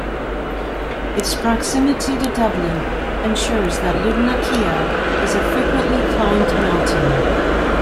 Its proximity to Dublin ensures that Lugnaquilla is a frequently climbed mountain.